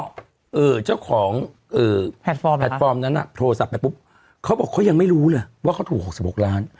เนี่ยจ้าของแพลตฟอร์มนั่นเนี่ยโทรศัพท์ไปปุ๊บค่าบอกเขายังไม่รู้น่ะว่าเขาถูกแต่๖๖ล้าน